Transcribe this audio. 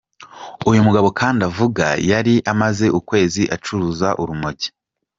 Uyu mugabo kandi avuga yari amaze ukwezi acuruza urumogi.